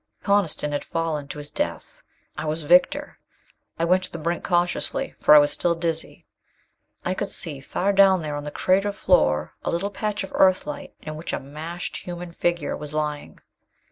Coniston had fallen to his death. I was victor. I went to the brink cautiously, for I was still dizzy. I could see, far down there on the crater floor, a little patch of Earthlight in which a mashed human figure was lying.